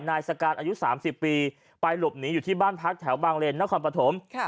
นายสการอายุ๓๐ปีไปหลบหนีอยู่ที่บ้านพักแถวบางเลนนครปฐม